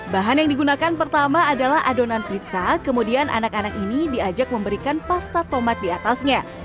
bahan yang digunakan pertama adalah adonan pizza kemudian anak anak ini diajak memberikan pasta tomat di atasnya